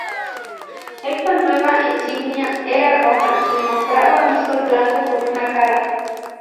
Esta nueva insignia era roja y mostraba un sol blanco con una cara.